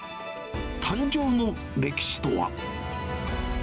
誕生の歴史とは？